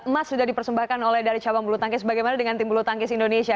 emas sudah dipersembahkan oleh dari cabang bulu tangkis bagaimana dengan tim bulu tangkis indonesia